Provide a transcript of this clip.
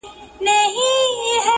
نو لعنت په داسې ژوند شه